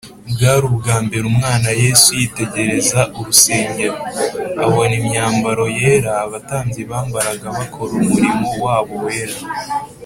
Bwari ubwa mbere umwana Yesu yitegereza urusengero. Abona imyambaro yera abatambyi bambaraga bakora umurimo wabo wera.